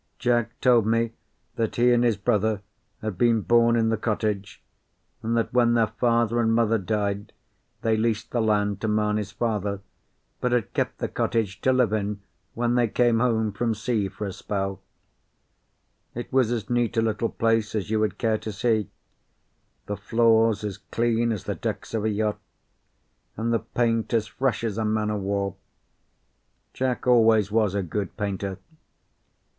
Jack told me that he and his brother had been born in the cottage, and that when their father and mother died they leased the land to Mamie's father, but had kept the cottage to live in when they came home from sea for a spell. It was as neat a little place as you would care to see: the floors as clean as the decks of a yacht, and the paint as fresh as a man o' war. Jack always was a good painter.